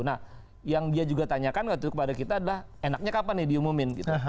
nah yang dia juga tanyakan waktu itu kepada kita adalah enaknya kapan nih diumumin gitu